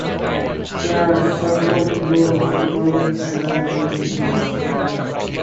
There are several notable buildings surrounding Union Square.